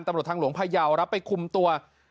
ตำรวจทางหลวงพยาวรับไปคุมตัว